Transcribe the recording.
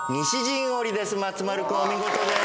松丸君お見事です。